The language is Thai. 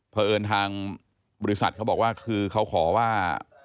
เพราะเอิญทางบริษัทเขาบอกว่าคือเขาขอว่า